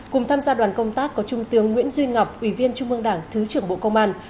cùng tham gia đoàn công tác có trung tướng nguyễn duy ngọc ủy viên trung mương đảng thứ trưởng bộ công an